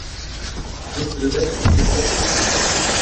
Tu veux que le monde se plie à toi.